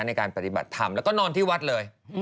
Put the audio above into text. ในการปฏิบัติธรรมแล้วก็นอนที่วัดเลย